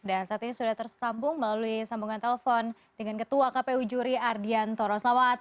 dan saat ini sudah tersambung melalui sambungan telepon dengan ketua kpu juri ardian toroslawat